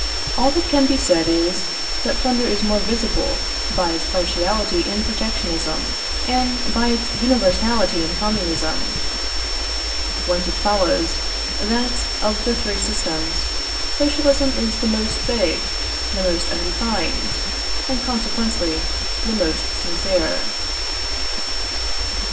All that can be said is, that plunder is more visible by its partiality in protectionism, and by its universality in communism; whence it follows that, of the three systems, socialism is still the most vague, the most undefined, and consequently the most sincere.